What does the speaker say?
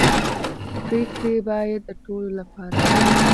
پرېکړې باید د ټولو لپاره وي